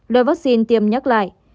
loại vaccine tiêm nhắc lại